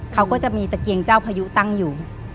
เขาก็จะมีตะเกียงเจ้าพยุตั้งอยู่